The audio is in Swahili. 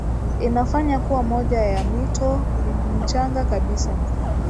inafanya kuwa moja ya mito mchanga kabisa